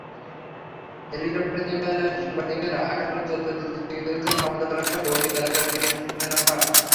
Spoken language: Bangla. হেলিকপ্টারে থাকা সাংবাদিকেরা আকাশে চক্কর দিতে দিতে দেখছিলেন সমতলের অনেকটা ভৌতিক এলাকা মিরানশাহ।